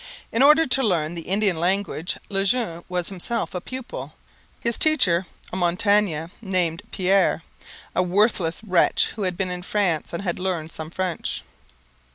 In order to learn the Indian language Le Jeune was himself a pupil, his teacher a Montagnais named Pierre, a worthless wretch who had been in France and had learned some French.